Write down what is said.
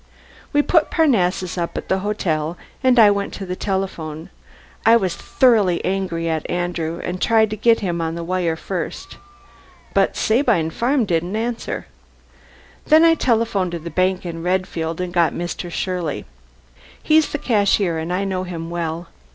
We put Parnassus up at the hotel, and I went to the telephone. I was thoroughly angry at Andrew, and tried to get him on the wire first. But Sabine Farm didn't answer. Then I telephoned to the bank in Redfield, and got Mr. Shirley. He's the cashier, and I know him well.